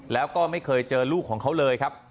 แล้วก็ไม่เคยเจอลูกของเขาเลยครับ